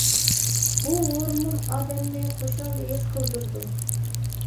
بۇ ھورمۇن ئادەمنى خۇشال ھېس قىلدۇرىدۇ.